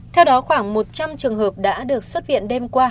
theo đó khoảng một trăm linh trường hợp đã được xuất viện đêm qua